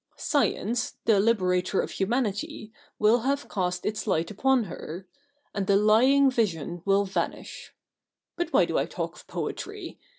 Science, the liberator of humanity, will have cast its light upon her ; and the lying vision will vanish. But why do I talk of poetry